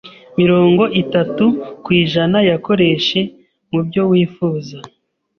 mirongo itatu kwijana yakoreshe mu byo wifuza